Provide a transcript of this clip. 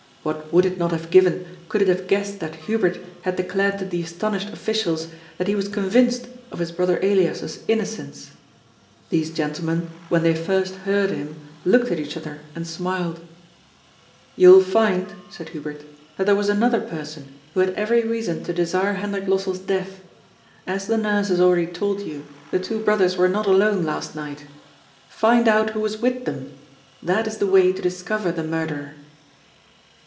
What would it not have given, could it have guessed that Hubert had declared to the astonished oflScials that he was convinced of his brother Elias's innocence ? These gentle men, when they first heard him, looked at each other and smiled. ^ You will find," said Hubert, that there was another person who had every reason to desire Hendrik Lossell's death. As the nurse has already told you, the two brothers were not alone last night Find out who was with them. That is the way to discover the murderer.''